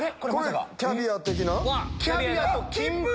キャビア的な？